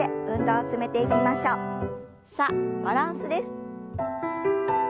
さあバランスです。